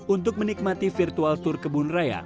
untuk menikmati virtual tour kebun raya